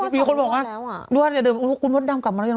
เพียงมีคนบอกว่าด้วยว่าเดินมาคุณมัฏดำกลับมาแล้ว